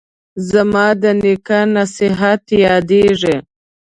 زما د نیکه نصیحت یادیږي